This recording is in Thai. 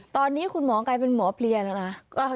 ตอนนี้คุณหมอกลายเป็นหมอเพลียแล้วนะ